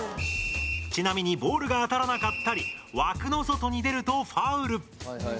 ちなみにボールが当たらなかったり枠の外に出るとファウル。